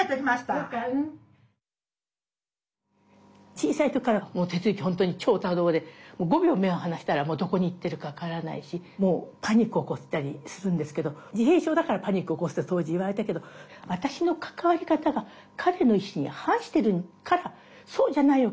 小さい時からもう徹之本当に超多動で５秒目を離したらもうどこに行ってるか分からないしもうパニック起こしたりするんですけど自閉症だからパニック起こすって当時いわれたけど私の関わり方が彼の意思に反してるからそうじゃないよ